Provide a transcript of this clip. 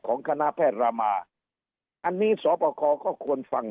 คณะแพทย์รามาอันนี้สอบประคอก็ควรฟัง